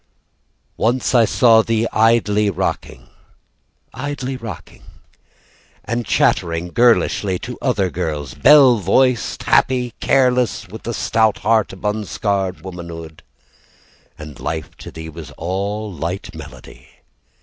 Once I saw thee idly rocking Idly rocking And chattering girlishly to other girls, Bell voiced, happy, Careless with the stout heart of unscarred womanhood, And life to thee was all light melody.